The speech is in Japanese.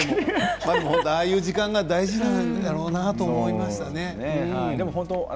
ああいう時間が大事なんやろうなと思いました。